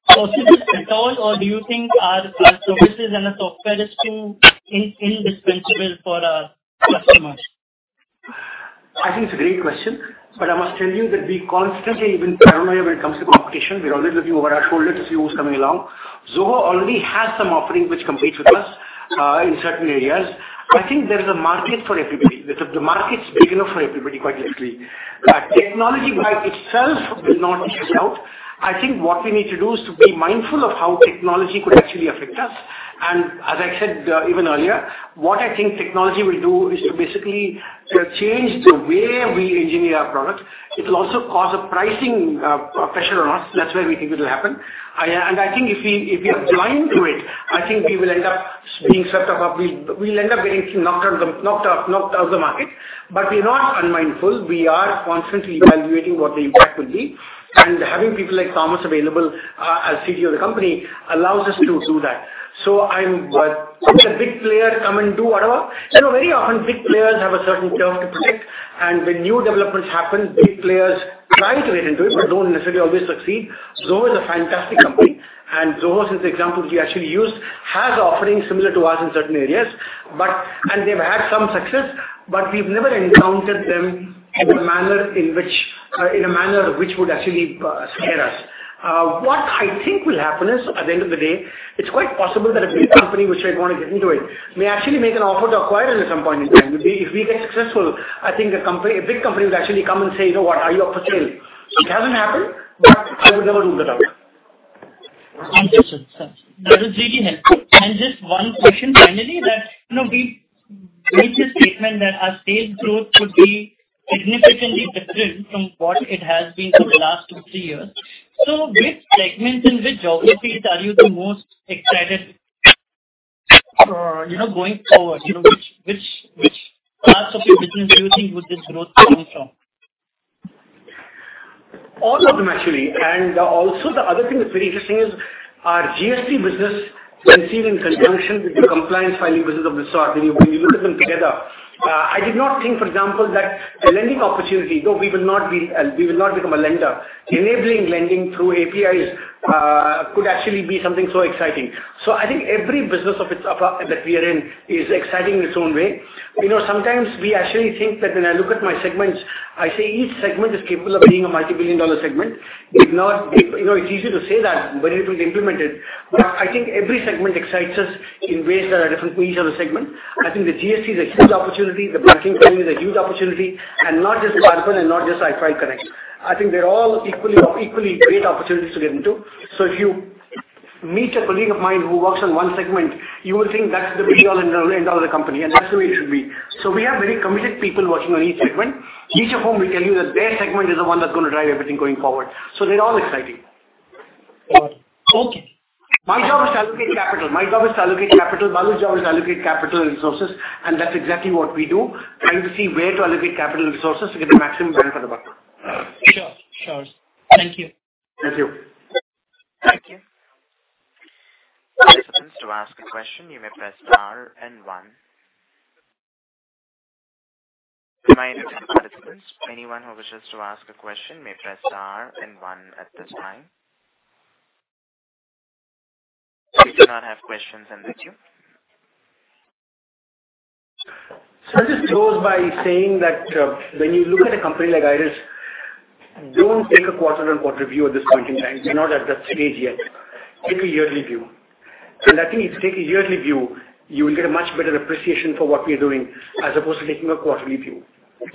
possible at all, or do you think our cloud services and our software is still indispensable for our customers?... I think it's a great question, I must tell you that we constantly, even paranoia when it comes to competition, we're always looking over our shoulders to see who's coming along. Zoho already has some offering which competes with us, in certain areas. I think there's a market for everybody. The market's big enough for everybody, quite literally. Technology by itself will not miss out. I think what we need to do is to be mindful of how technology could actually affect us. As I said, even earlier, what I think technology will do is to basically change the way we engineer our products. It'll also cause a pricing, pressure on us. That's where we think it will happen. I think if we are blind to it, I think we will end up being swept up. We'll end up getting knocked out of the market. We're not unmindful. We are constantly evaluating what the impact will be, and having people like Thomas available, as CTO of the company, allows us to do that. I'm, if a big player come and do whatever, you know, very often, big players have a certain curve to protect, and when new developments happen, big players try to get into it, but don't necessarily always succeed. Zoho is a fantastic company, and Zoho is the example we actually used, has offerings similar to us in certain areas. They've had some success, but we've never encountered them in a manner in which, in a manner which would actually scare us. What I think will happen is, at the end of the day, it's quite possible that a big company which I want to get into it, may actually make an offer to acquire us at some point in time. If we get successful, I think a big company would actually come and say, "You know what? Are you up for sale?" It hasn't happened, but I would never rule that out. Thank you, sir. That was really helpful. Just one question finally, that, you know, we made a statement that our state growth would be significantly different from what it has been for the last two, three years. Which segments and which geographies are you the most excited for, you know, going forward? You know, which parts of your business do you think would this growth coming from? All of them, actually. Also the other thing that's pretty interesting is our GST business, conceived in conjunction with the compliance filing business of the sort, when you look at them together. I did not think, for example, that a lending opportunity, no, we will not be, we will not become a lender. Enabling lending through APIs could actually be something so exciting. I think every business that we are in, is exciting in its own way. You know, sometimes we actually think that when I look at my segments, I say each segment is capable of being a multi-billion dollar segment. If not, you know, it's easy to say that when it is implemented, but I think every segment excites us in ways that are different for each other segment. I think the GST is a huge opportunity, the banking segment is a huge opportunity, and not just carbon and not just I5 Connect. I think they're all equally great opportunities to get into. If you meet a colleague of mine who works on one segment, you will think that's the be-all and end-all of the company, and that's the way it should be. We have very committed people working on each segment, each of whom will tell you that their segment is the one that's going to drive everything going forward. They're all exciting. Okay. My job is to allocate capital resources, and that's exactly what we do. Trying to see where to allocate capital resources to get the maximum benefit about it. Sure. Thank you. Thank you. Thank you. Participants, to ask a question, you may press Star and One. Anyone who wishes to ask a question may press Star and One at this time. We do not have questions in the queue. I'll just close by saying that when you look at a company like IRIS, don't take a quarter on quarter view at this point in time. We're not at that stage yet. Take a yearly view. I think if you take a yearly view, you will get a much better appreciation for what we are doing as opposed to taking a quarterly view.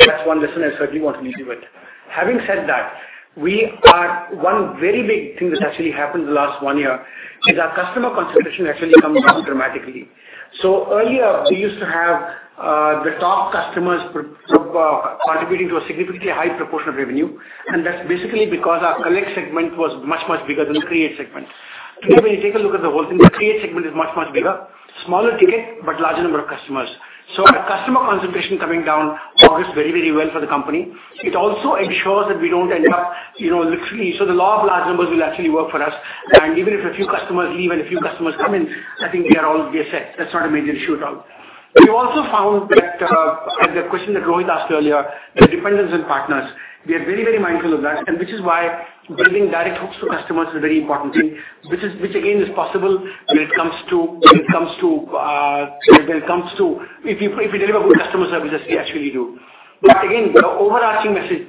That's one lesson I certainly want to leave you with. Having said that, we are one very big thing that's actually happened in the last one year, is our customer concentration actually come down dramatically. Earlier, we used to have the top customers contributing to a significantly high proportion of revenue, and that's basically because our Collect segment was much bigger than the Create segment. Today, when you take a look at the whole thing, the Create segment is much, much bigger. Smaller ticket, but larger number of customers. Our customer concentration coming down bodes very, very well for the company. It also ensures that we don't end up, you know, literally, so the law of large numbers will actually work for us. Even if a few customers leave and a few customers come in, I think we are all, we are set. That's not a major issue at all. We also found that, the question that Rohit asked earlier, the dependence on partners, we are very, very mindful of that, and which is why building direct hooks to customers is a very important thing. Which again, is possible when it comes to. If you deliver good customer services, we actually do. Again, the overarching message,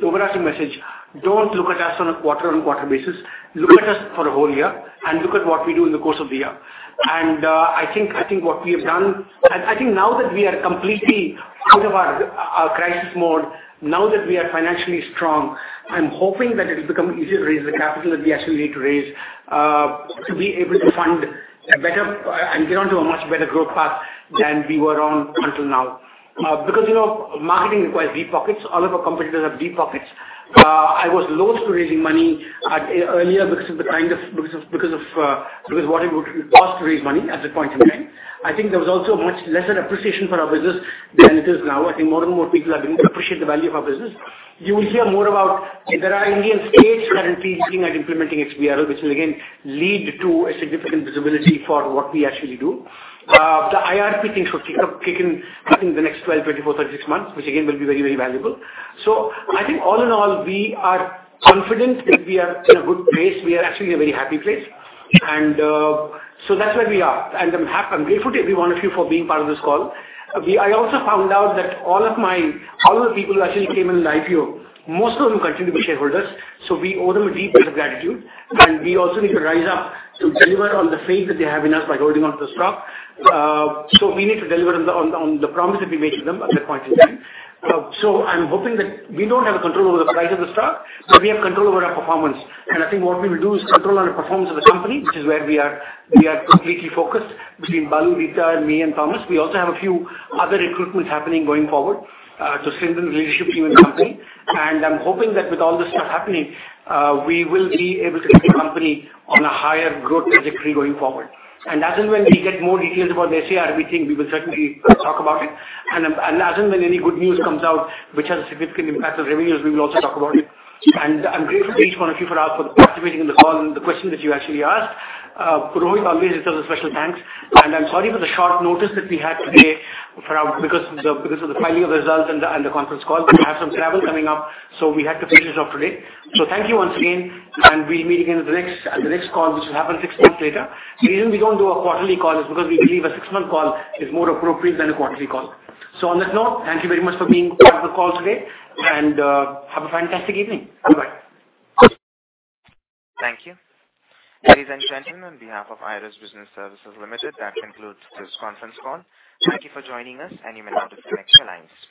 don't look at us on a quarter on quarter basis. Look at us for a whole year, and look at what we do in the course of the year. I think what we have done, and I think now that we are completely out of our crisis mode, now that we are financially strong, I'm hoping that it'll become easier to raise the capital that we actually need to raise, to be able to fund better, and get onto a much better growth path than we were on until now. Because, you know, marketing requires deep pockets. All of our competitors have deep pockets. I was loath to raising money earlier because of the kind of, because what it would cost to raise money at that point in time. I think there was also a much lesser appreciation for our business than it is now. I think more and more people are beginning to appreciate the value of our business. You will hear more about. There are Indian states that are thinking about implementing XBRL, which will again lead to a significant visibility for what we actually do. The IRP things will kick in, I think, in the next 12 months, 24 months, 36 months, which again, will be very, very valuable. I think all in all, we are confident that we are in a good place. We are actually in a very happy place. That's where we are. I'm happy, I'm grateful to everyone of you for being part of this call. I also found out that all of the people who actually came in live view, most of them continue to be shareholders. We owe them a deep sense of gratitude, we also need to rise up to deliver on the faith that they have in us by holding on to the stock. We need to deliver on the promise that we made to them at that point in time. I'm hoping that we don't have a control over the price of the stock, but we have control over our performance. I think what we will do is control our performance of the company, which is where we are, we are completely focused between Balu, Rita, and me, and Thomas. We also have a few other recruitments happening going forward, to strengthen the leadership team in the company. I'm hoping that with all this stuff happening, we will be able to get the company on a higher growth trajectory going forward. As and when we get more details about the ACR, we think we will certainly talk about it. As and when any good news comes out, which has a significant impact on revenues, we will also talk about it. I'm grateful to each one of you for participating in the call and the questions that you actually asked. Rohit, obviously, tells a special thanks. I'm sorry for the short notice that we had today for our, because of the filing of results and the, and the conference call. We have some travel coming up, so we had to finish it off today. Thank you once again, and we'll meet again at the next call, which will happen six months later. The reason we don't do a quarterly call is because we believe a six-month call is more appropriate than a quarterly call. On that note, thank you very much for being part of the call today, and have a fantastic evening. Bye-bye. Thank you. Ladies and gentlemen, on behalf of IRIS Business Services Limited, that concludes this conference call. Thank you for joining us. You may now disconnect your lines.